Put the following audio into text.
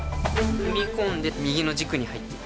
踏み込んで右の軸に入っていく。